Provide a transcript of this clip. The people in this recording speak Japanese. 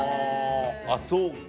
あっそうか